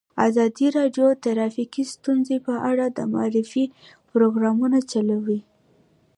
ازادي راډیو د ټرافیکي ستونزې په اړه د معارفې پروګرامونه چلولي.